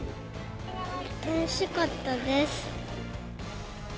楽しかったです。